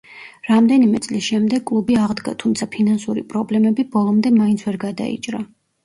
რამდენიმე წლის შემდეგ კლუბი აღდგა, თუმცა ფინანსური პრობლემები ბოლომდე მაინც ვერ გადაიჭრა.